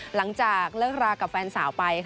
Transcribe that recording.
หลังจากเลิกรากับแฟนสาวไป